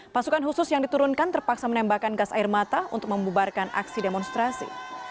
pasukan khusus yang diturunkan terpaksa menembakkan gas air mata untuk membubarkan aksi demonstrasi